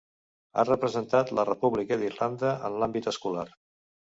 Ha representat la República d'Irlanda en l'àmbit escolar.